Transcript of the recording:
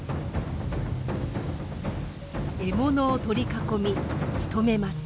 獲物を取り囲みしとめます。